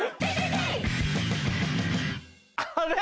あれ？